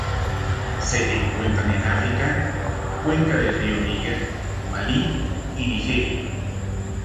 Se encuentran en África: cuenca del río Níger, Malí y Nigeria.